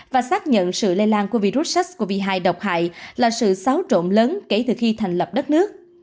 và xác nhận sự lây lan của virus sars cov hai độc hại là sự xáo trộn lớn kể từ khi thành lập đất nước